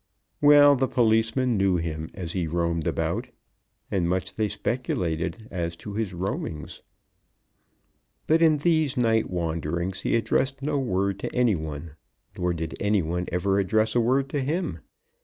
Well the policemen knew him as he roamed about, and much they speculated as to his roamings. But in these night wanderings he addressed no word to any one; nor did any one ever address a word to him.